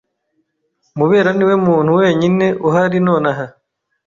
Mubera niwe muntu wenyine uhari nonaha.